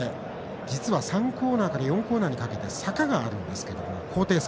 実は、３コーナーから４コーナーにかけて坂があるんですけども高低差